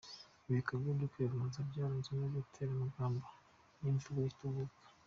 Ibikorwa byo kwiyamamaza byaranzwe no guterana amagambo n'imvugo itubaka.